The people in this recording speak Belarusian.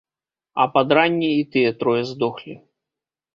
А пад ранне і тыя трое здохлі.